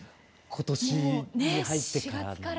今年に入ってから。